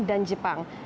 dan korea selatan